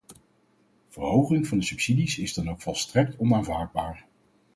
Verhoging van de subsidies is dan ook volstrekt onaanvaardbaar.